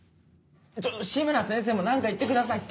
ちょ志村先生も何か言ってくださいって。